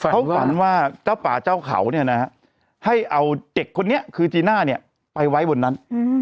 เขาฝันว่าเจ้าป่าเจ้าเขาให้เอาเด็กคนนี้คือจีน่าไปไว้บนนั้น